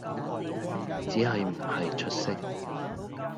只係唔係出色